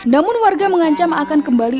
namun warga mengancam akan kembali